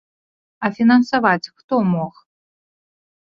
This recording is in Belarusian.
А фінансаваць хто мог?